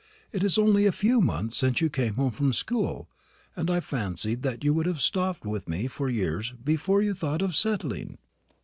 It is only a few months since you came home from school; and I fancied that you would have stopped with me for years before you thought of settling."